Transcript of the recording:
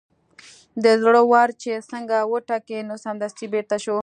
د زړه ور چې څنګه وټکېد نو سمدستي بېرته شو.